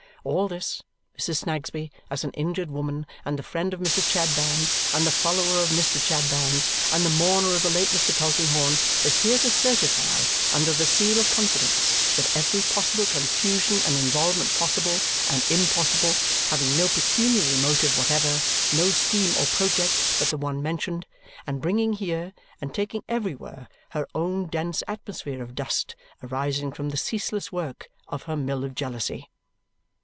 All this, Mrs. Snagsby, as an injured woman, and the friend of Mrs. Chadband, and the follower of Mr. Chadband, and the mourner of the late Mr. Tulkinghorn, is here to certify under the seal of confidence, with every possible confusion and involvement possible and impossible, having no pecuniary motive whatever, no scheme or project but the one mentioned, and bringing here, and taking everywhere, her own dense atmosphere of dust, arising from the ceaseless working of her mill of jealousy.